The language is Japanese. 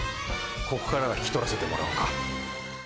ここからは引き取らせてもらおうか。